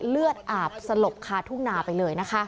เลือดอาบสลบคาทุ่งนาไปเลยนะคะ